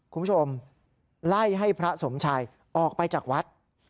คุณผู้ชมไล่ให้พระสมชัยออกไปจากวัด